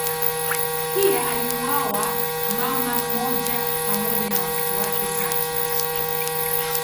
Pia aliuawa mama mmoja pamoja na watoto wake pacha.